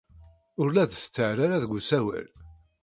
Ur la d-tettarra ara deg usawal.